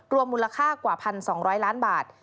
มูลค่ากว่า๑๒๐๐ล้านบาท